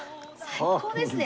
最高ですね。